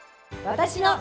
私の！